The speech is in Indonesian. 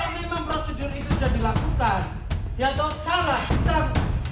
kalau memang prosedur itu sudah dilakukan ya toh salah